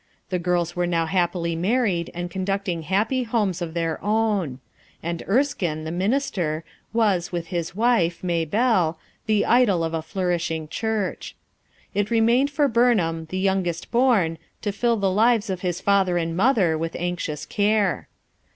The girls wore now happily married and conducting happy homes of their own; and Erskinc, the minister, was, with his wife, Maybclle, the idol of a flourishing church. It remained for Burn ham, the youngest born, to fill the lives of his father and mother with anxious care.